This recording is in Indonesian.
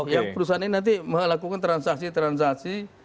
yang perusahaan ini nanti melakukan transaksi transaksi